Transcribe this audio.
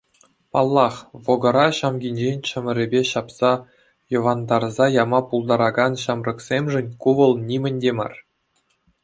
Паллах, вӑкӑра ҫамкинчен чӑмӑрӗпе ҫапса йӑвантарса яма пултаракан ҫамрӑксемшӗн ку вӑл нимӗн те мар.